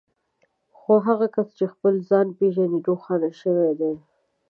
خو هغه کس چې خپل ځان پېژني روښانه شوی دی.